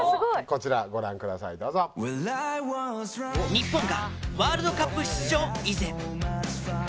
日本がワールドカップ出場以前。